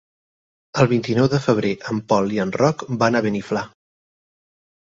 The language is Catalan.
El vint-i-nou de febrer en Pol i en Roc van a Beniflà.